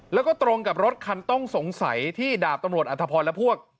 แล้วก็ตรงกับรถคันต้องสงสัยที่ดาบตำรวจอัธพรและพวก